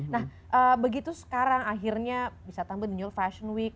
nah begitu sekarang akhirnya bisa tambah dinyul fashion week